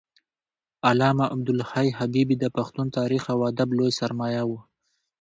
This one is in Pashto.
علامه عبدالحی حبیبي د پښتون تاریخ او ادب لوی سرمایه و